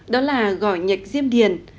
đó là gỏi nhạch diêm điền